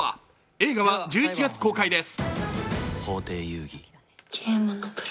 映画は、１１月公開です。